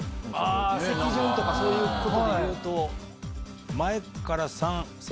席順とかそういうことでいうと。